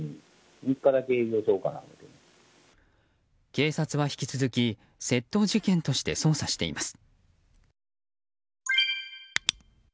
警察は引き続き窃盗事件として捜査しています。